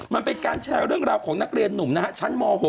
มันเป็นการแชร์เรื่องราวของนักเรียนหนุ่มนะฮะชั้นม๖